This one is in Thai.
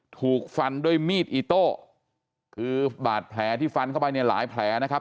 ถูกฟันด้วยมีดอิโต้คือบาดแผลที่ฟันเข้าไปเนี่ยหลายแผลนะครับ